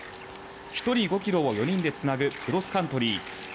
１人５ｋｍを４人でつなぐクロスカントリー。